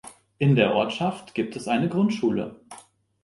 In der Ortschaft gibt es eine Grundschule.